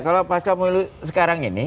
kalau pasca pemilu sekarang ini